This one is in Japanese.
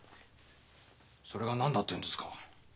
それが何だって言うんですか。